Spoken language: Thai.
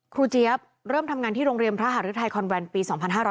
เจี๊ยบเริ่มทำงานที่โรงเรียนพระหารุทัยคอนแวนปี๒๕๕๙